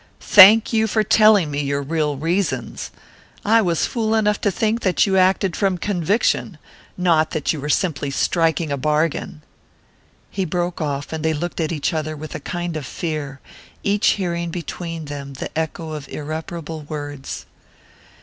"Thank you for telling me your real reasons. I was fool enough to think you acted from conviction not that you were simply striking a bargain " He broke off, and they looked at each other with a kind of fear, each hearing between them the echo of irreparable words.